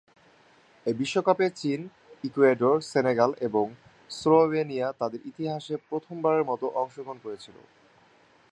এই বিশ্বকাপে চীন, ইকুয়েডর, সেনেগাল এবং স্লোভেনিয়া তাদের ইতিহাসে প্রথমবারের মতো অংশগ্রহণ করেছিল।